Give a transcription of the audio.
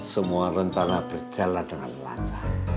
semua rencana berjalan dengan lancar